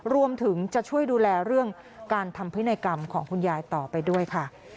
รวมถึงจะช่วยดูแลเรื่องการทำพินัยกรรมของคุณยายต่อไปด้วยค่ะ